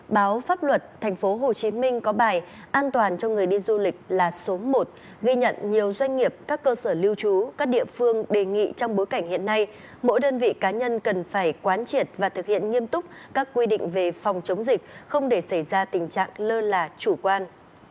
báo pháp luật tp hcm có bài an toàn cho người đi du lịch là số một ghi nhận nhiều doanh nghiệp các cơ sở lưu trú các địa phương đề nghị trong bối cảnh hiện nay mỗi đơn vị cá nhân cần phải quán triệt và thực hiện nghiêm túc các quy định về phòng chống dịch không để xảy ra tình trạng lơ là chủ quan